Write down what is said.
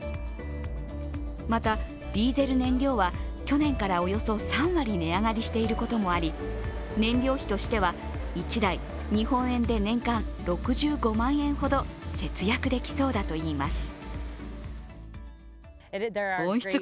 また、ディーゼル燃料は去年からおよそ３割値上がりしていることもあり、燃料費としては１台、日本円にして年間６５万円ほど節約できそうだといいます。